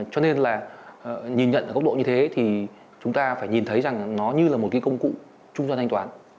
cho nên là nhìn nhận ở góc độ như thế thì chúng ta phải nhìn thấy rằng nó như là một cái công cụ trung gian thanh toán